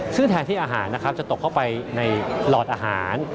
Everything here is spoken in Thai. ซึ่งแทนที่อาหารนะครับจะตกเข้าไปในหลอดอาหาร